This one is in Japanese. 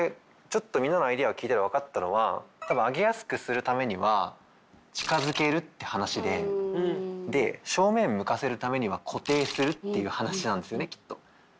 ちょっとみんなのアイデアを聞いて分かったのは多分あげやすくするためには近づけるって話で正面向かせるためには固定するっていう話なんですよねきっと。